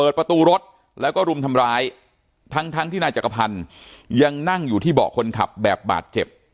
ประตูรถแล้วก็รุมทำร้ายทั้งที่นายจักรพันธ์ยังนั่งอยู่ที่เบาะคนขับแบบบาดเจ็บ